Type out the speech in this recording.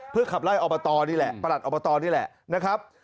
เพื่อขับไล่ออปฏรนี่แหละประหลัดออปฏรนี่แหละนะครับ